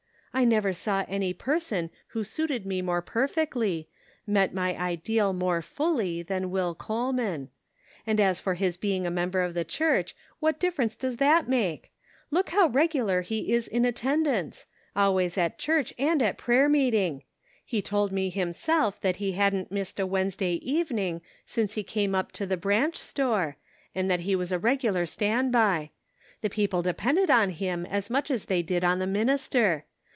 " I never saw any person who suited me more perfectly, met my ideal more fully, than Will Coleman. And as for his being a member of the church, what difference does that make ? Look how regular he is in attendance ; always at church and at prayer meeting ; he told me himself that he hadn't missed a Wednesday evening since he came up to the branch store, and that he was a regular stand by; the people depended on him as much as they did on the minister.